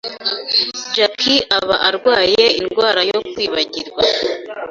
Jackie aba arwaye indwara yo kwibagirwa